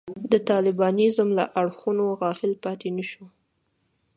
د طالبانیزم له اړخونو غافل پاتې نه شو.